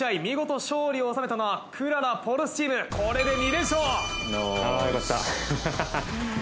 見事勝利を収めたのはくらら・ポルスチームこれで。